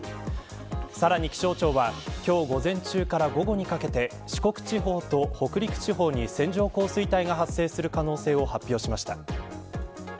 さらに気象庁は今日午前中から午後にかけて四国地方と北陸地方に線状降水帯が発生する可能性を発表しました。